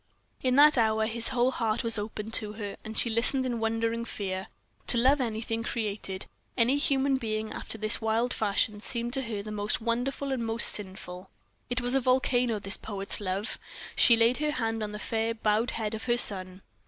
In that hour his whole heart was opened to her, and she listened in wondering fear. To love anything created, any human being after this wild fashion, seemed to her most wonderful and most sinful. It was a volcano, this poet's love. She laid her hand on the fair, bowed head of her son.